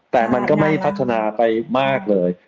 แต่มันก็ไม่พัฒนาไปมากเลย